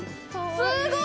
すごい。